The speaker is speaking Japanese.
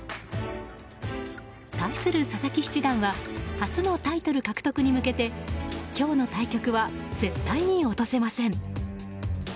対する佐々木七段は初のタイトル獲得に向けて今日の対決は絶対に落とせません。